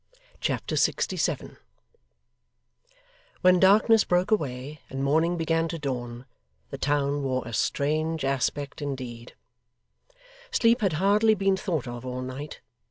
Chapter 67 When darkness broke away and morning began to dawn, the town wore a strange aspect indeed. Sleep had hardly been thought of all night.